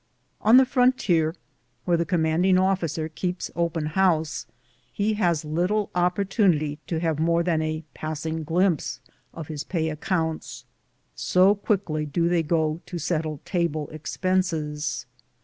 On the frontier, where the commanding officer keeps open house, he has little opportunity to have more than a passing glimpse of his pay accounts, so quickly do they go to settle table expenses.